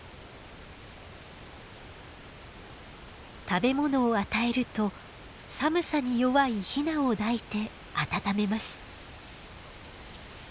食べ物を与えると寒さに弱いヒナを抱いて温めます。